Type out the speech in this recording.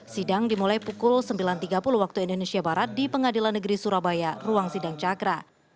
sidang dimulai pukul sembilan tiga puluh waktu indonesia barat di pengadilan negeri surabaya ruang sidang cakra